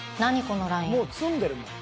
もう詰んでるもん。